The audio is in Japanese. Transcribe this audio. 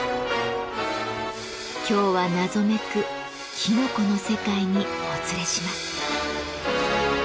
今日は謎めくきのこの世界にお連れします。